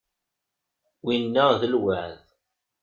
Winna d lweεd.